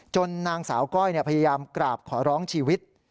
นางสาวก้อยพยายามกราบขอร้องชีวิต